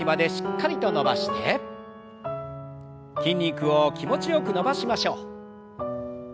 筋肉を気持ちよく伸ばしましょう。